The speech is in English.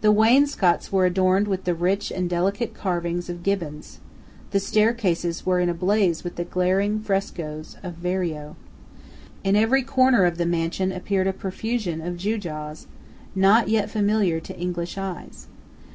The wainscots were adorned with the rich and delicate carvings of Gibbons. The staircases were in a blaze with the glaring frescoes of Verrio. In every corner of the mansion appeared a profusion of gewgaws, not yet familiar to English eyes.